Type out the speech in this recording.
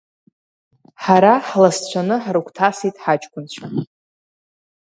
Ҳара ҳласцәаны ҳрыгәҭасит ҳаҷкәынцәа…